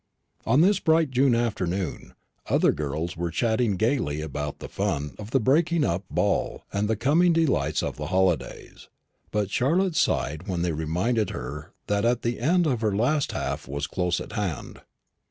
On this bright June afternoon other girls were chattering gaily about the fun of the breaking up ball and the coming delights of the holidays, but Charlotte sighed when they reminded her that the end of her last half was close at hand.